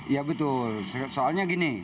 ya betul soalnya gini